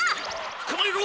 つかまえろ！